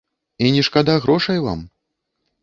І не шкада грошай вам?